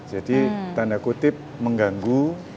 jadi tanda kutip mengganggu